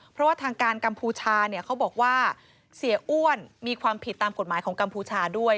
เพราะว่าทางการกัมพูชาเนี่ยเขาบอกว่าเสียอ้วนมีความผิดตามกฎหมายของกัมพูชาด้วย